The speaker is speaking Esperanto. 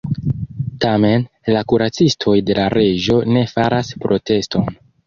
Tamen, la kuracistoj de la reĝo ne faras proteston.